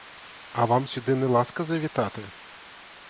А вам сюди не ласка завітати?